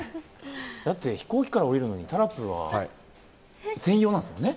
だって飛行機から降りるのにタラップが専用なんですよね。